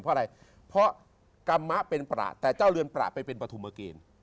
เพราะอะไรเพราะกรรมมะเป็นประแต่เจ้าเรือนประไปเป็นปฐุมเกณฑ์